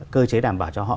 cơ chế đảm bảo cho họ